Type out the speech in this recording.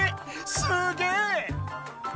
すげえ！